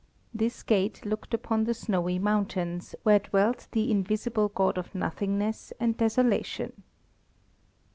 This gate looked upon the snowy mountains, where dwelt the invisible God of Nothingness and Desolation.